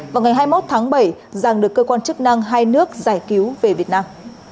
vào ngày hai mươi một tháng bảy giàng được cơ quan chức năng hai nước giải cứu về việt nam